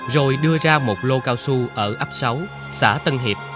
rồi đưa ra một lô cao su ở ấp sáu xã tân hiệp